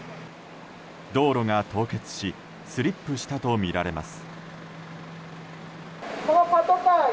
道路が凍結しスリップしたとみられます。